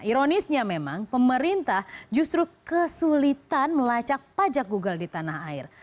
ironisnya memang pemerintah justru kesulitan melacak pajak google di tanah air